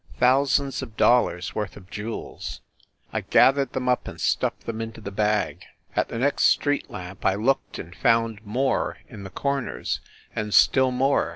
Thousands of dollars worth of jewels! I gathered them up and stuffed them into the bag. At the next street lamp I looked and found more in the corners, and still more